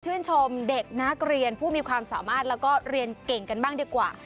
ชมเด็กนักเรียนผู้มีความสามารถแล้วก็เรียนเก่งกันบ้างดีกว่า